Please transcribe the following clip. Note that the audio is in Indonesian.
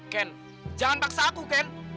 ken jangan paksa aku ken